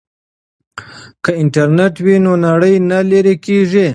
که انټرنیټ وي نو نړۍ نه لیرې کیږي.